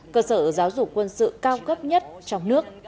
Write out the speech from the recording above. cơ sở giáo dục quân sự cao cấp nhất trong nước